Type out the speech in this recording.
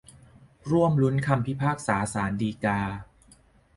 ร่วมลุ้นคำพิพากษาศาลฎีกา